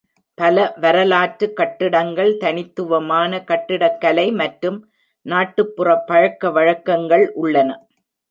பல வரலாற்று கட்டிடங்கள், தனித்துவமான கட்டிடக்கலை மற்றும் நாட்டுப்புற பழக்கவழக்கங்கள் உள்ளன.